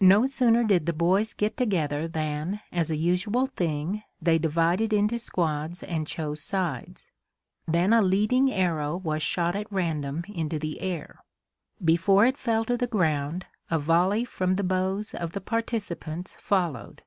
No sooner did the boys get together than, as a usual thing, they divided into squads and chose sides; then a leading arrow was shot at random into the air. Before it fell to the ground a volley from the bows of the participants followed.